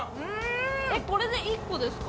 えっこれで１個ですか？